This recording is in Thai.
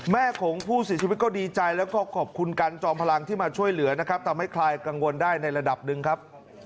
ของผู้เสียชีวิตก็ดีใจแล้วก็ขอบคุณกันจอมพลังที่มาช่วยเหลือนะครับทำให้คลายกังวลได้ในระดับหนึ่งครับ